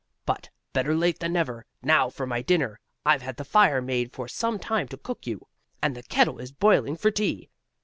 But, better late than never. Now for my dinner! I've had the fire made for some time to cook you, and the kettle is boiling for tea."